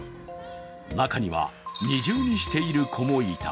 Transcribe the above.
中には二重にしている子もいた。